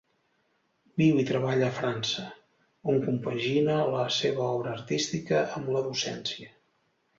Viu i treballa a França, on compagina la seva obra artística amb la docència.